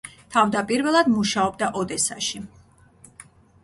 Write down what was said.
თავდაპირველად მუშაობდა ოდესაში.